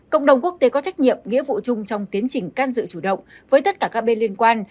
cộng đồng quốc tế có trách nhiệm nghĩa vụ chung trong tiến trình can dự chủ động với tất cả các bên liên quan